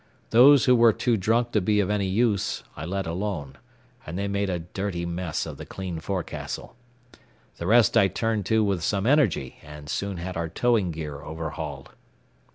Those who were too drunk to be of any use I let alone, and they made a dirty mess of the clean forecastle. The rest I turned to with some energy and soon had our towing gear overhauled.